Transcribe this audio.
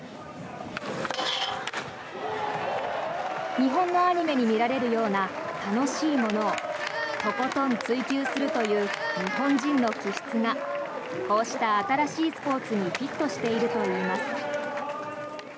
日本のアニメに見られるような楽しいものをとことん追求するという日本人の気質がこうした新しいスポーツにフィットしているといいます。